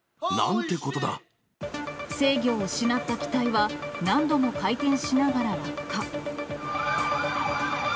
制御を失った機体は、何度も回転しながら落下。